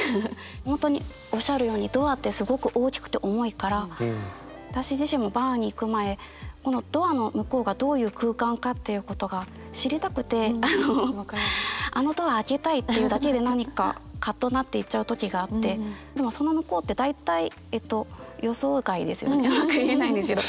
本当におっしゃるようにドアってすごく大きくて重いから私自身もＢＡＲに行く前このドアの向こうがどういう空間かっていうことが知りたくてあのドア開けたいっていうだけで何かカッとなって行っちゃう時があってうまく言えないんですけど。